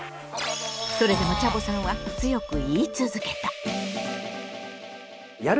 それでもチャボさんは強く言い続けた。